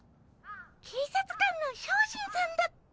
警察官の小心さんだっ。